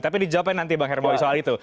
tapi dijawabkan nanti bang hermawi soal itu